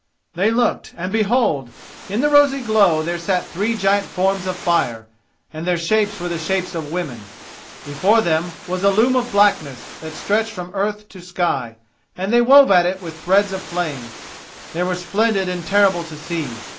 They looked, and behold! in the rosy glow there sat three giant forms of fire, and their shapes were the shapes of women. Before them was a loom of blackness that stretched from earth to sky, and they wove at it with threads of flame. They were splendid and terrible to see.